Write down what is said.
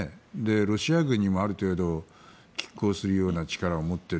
ロシア軍にもある程度きっ抗するような力を持ってる。